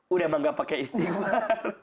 udah menganggap pakai istighfar